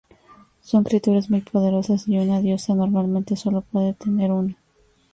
Son criaturas muy poderosas, y una diosa normalmente sólo puede tener uno.